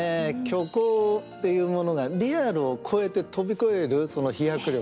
虚構っていうものがリアルをこえて飛び越えるその飛躍力。